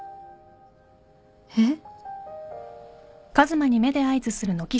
えっ？